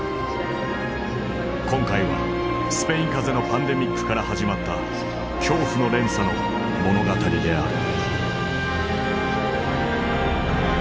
今回はスペイン風邪のパンデミックから始まった恐怖の連鎖の物語である。